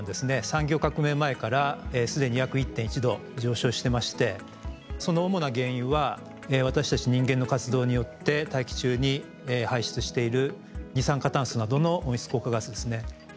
産業革命前からすでに約１．１℃上昇してましてその主な原因は私たち人間の活動によって大気中に排出している二酸化炭素などの温室効果ガスですね。